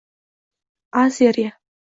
A Seriya